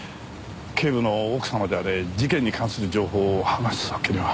警部の奥様であれ事件に関する情報を話すわけには。